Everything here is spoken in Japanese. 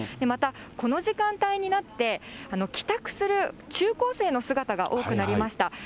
また、この時間帯になって、帰宅する中高生の姿が多くなりました。